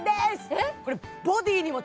えっ？